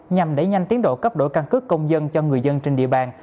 nhằm đẩy nhanh tiến độ cấp đổi căn cước công dân cho người dân trên địa bàn